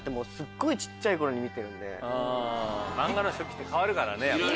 漫画の初期って変わるからね。